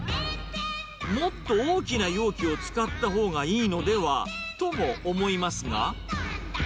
もっと大きな容器を使ったほうがいいのではとも思いますが。